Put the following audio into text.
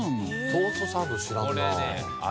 トーストサンド知らんなあ。